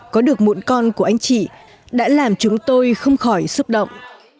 có được muộn con của anh chị đã làm chúng tôi không khỏi xúc động